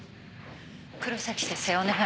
黒崎先生お願い。